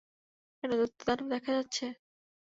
কোনো দৈত্য দানব দেখা যাচ্ছে?